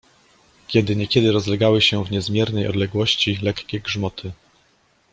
Kiedy niekiedy rozlegały się w niezmiernej odległości lekkie grzmoty.